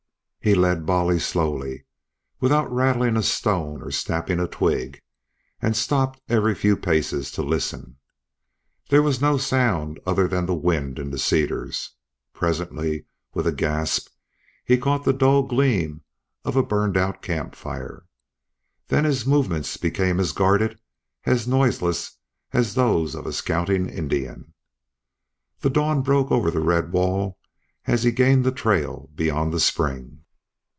He led Bolly slowly, without rattling a stone or snapping a twig, and stopped every few paces to listen. There was no sound other than the wind in the cedars. Presently, with a gasp, he caught the dull gleam of a burned out camp fire. Then his movements became as guarded, as noiseless as those of a scouting Indian. The dawn broke over the red wall as he gained the trail beyond the spring.